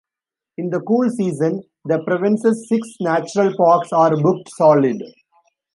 In the cool season, the province's six natural parks are booked solid.